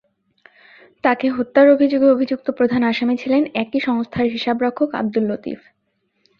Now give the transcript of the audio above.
তাঁকে হত্যার অভিযোগে অভিযুক্ত প্রধান আসামি ছিলেন একই সংস্থার হিসাবরক্ষক আবদুল লতিফ।